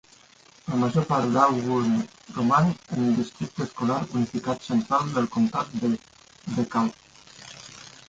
La major part d'Auburn roman en el districte escolar unificat central del comtat de DeKalb.